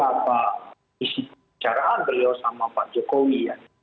apa isi bicaraan beliau sama pak jokowi